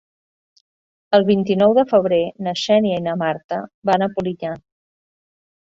El vint-i-nou de febrer na Xènia i na Marta van a Polinyà.